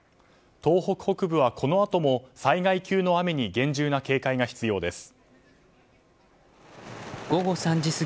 東北北部はこのあとも災害級の雨に厳重な警戒が必要です。